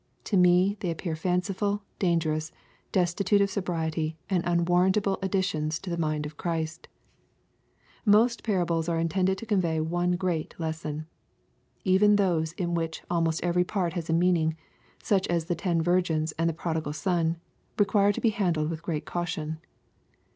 To me they appear fanciful, danger ous, destitute of sobriety, and unwarrantable additions to the mind of Christ — ^Most parables are intended to convey one great lesson. Even those in which almost every part has a meaning, such as the ten virgins and the prodigal son, require to be handled with great caution.